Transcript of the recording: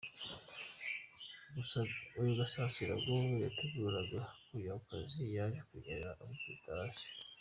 Uyu Gasasira ngo yiteguraga kujya ku kazi “yaje kunyerera yikubita hasi”.